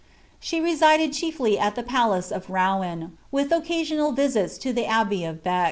She resided chiefly at tlie palace of Kouen, willi occaaional ritf to the abbey of Bcc.